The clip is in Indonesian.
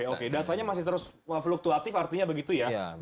oke datanya masih terus fluktuatif artinya begitu ya